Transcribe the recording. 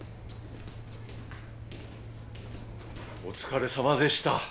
お疲れさまでした。